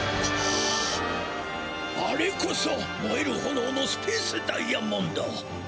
あれこそもえるほのおのスペースダイヤモンド！